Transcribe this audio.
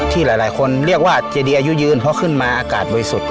ที่หลายคนเรียกว่าเจดีอายุยืนเพราะขึ้นมาอากาศบริสุทธิ์